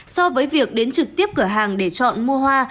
so với việc đến trực tiếp cửa hàng để chọn mua hoa